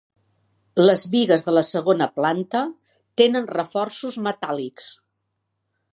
Les bigues de la segona planta tenen reforços metàl·lics.